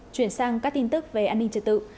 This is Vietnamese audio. chuyển sang các tin tức về an ninh trật tự